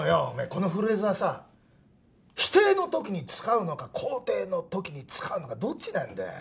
このフレーズはさ否定の時に使うのか肯定の時に使うのかどっちなんだよ？